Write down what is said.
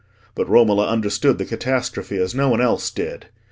But Romola understood the catastrophe as no one else did.